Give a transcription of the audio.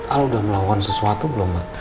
al udah melakukan sesuatu belum mbak